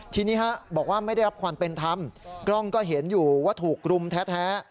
ทีนี้บอกว่าไม่ได้รับความเป็นธรรมกล้องก็เห็นอยู่ว่าถูกรุมแท้